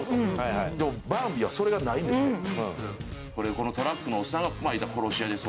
このトラックのおっさんが殺し屋です。